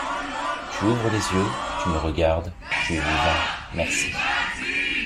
Tu ouvres les yeux, tu me regardes, tu es vivant, merci!